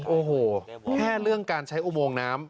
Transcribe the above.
โอ้โหแค่เรื่องการใช้อุโมงน้ำ